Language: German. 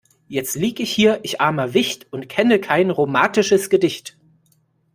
Jetzt lieg ich hier ich armer Wicht und kenne kein romatisches Gedicht.